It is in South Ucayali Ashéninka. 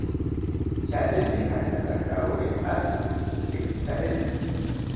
Charini ijankinatakawori rashi kenkitharentzi